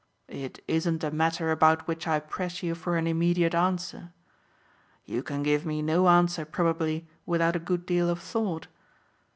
It isn't a matter about which I press you for an immediate answer. You can give me no answer probably without a good deal of thought.